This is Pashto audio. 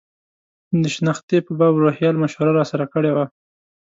د شنختې په باب روهیال مشوره راسره کړې وه.